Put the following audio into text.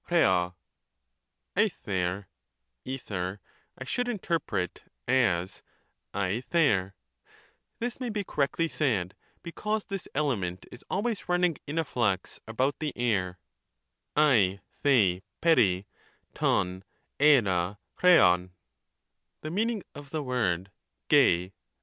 AiOrjp (aether) I should interpret as deiOsrip ; this may be correctly said, because this element is always running in a flux about the air {del On nepl tov depa pecoi'). The meaning of the word y?)